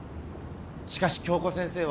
しかし今日子先生は。